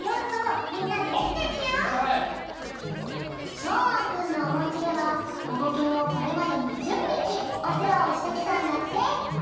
しょうおんくんのおうちではほごけんをこれまで２０ぴきおせわをしてきたんだって。